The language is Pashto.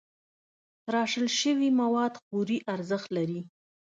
تراشل شوي مواد خوري ارزښت لري.